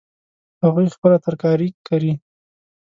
هغوی خپله ترکاري کري